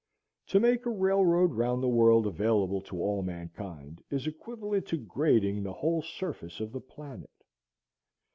To make a railroad round the world available to all mankind is equivalent to grading the whole surface of the planet.